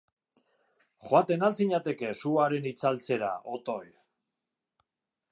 Joaten ahal zinateke suaren itzaltzera, otoi?